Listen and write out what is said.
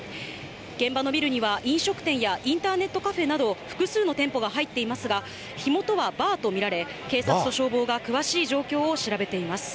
現場のビルには飲食店やインターネットカフェなど、複数の店舗が入っていますが、火元はバーと見られ、警察と消防が詳しい状況を調べています。